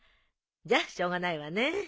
じゃあしょうがないわね。